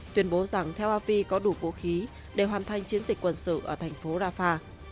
tuyên bố rằng tel api có đủ vũ khí để hoàn thành chiến dịch quân sự ở thành phố rafah